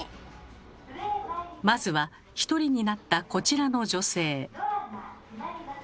まずは１人になったこちらの女性。